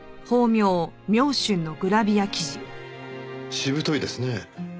しぶといですね